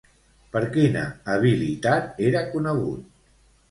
Per quina habilitat era conegut?